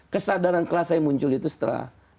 kesadaran kelas saya muncul itu setelah